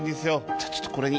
じゃあちょっとこれに。